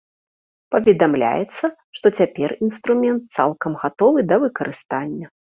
Паведамляецца, што цяпер інструмент цалкам гатовы да выкарыстання.